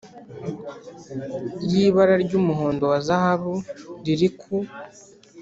Y’ibara ry’umuhondo wa zahabu riri ku